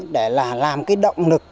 để làm cái động lực